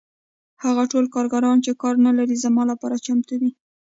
هغه ټول کارګران چې کار نلري زما لپاره چمتو دي